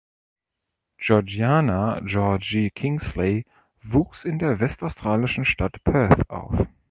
Georgina „Georgi“ Kingsley wuchs in der westaustralischen Stadt Perth auf.